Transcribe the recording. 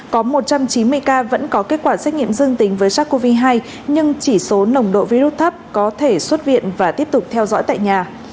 có một trăm chín mươi ca vẫn có kết quả xét nghiệm dương tính với sars cov hai nhưng chỉ số nồng độ virus thấp có thể xuất viện và tiếp tục theo dõi tại nhà